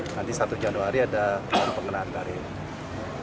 nanti satu januari ada pengenaan tarif